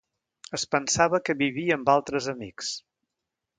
Es pensava que vivia amb altres amics...